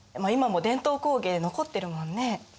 今も伝統工芸残ってるもんね。